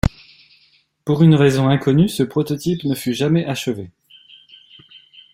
Pour une raison inconnue ce prototype ne fut jamais achevé.